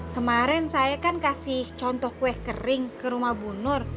kemarin saya kan kasih contoh kue kering ke rumah bu nur